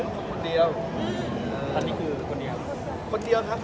ท่านยังคิดว่าวะ